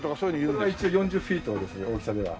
これは一応４０フィートですね大きさでは。